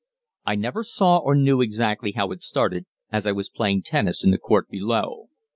I never saw or knew exactly how it started, as I was playing tennis in the court below.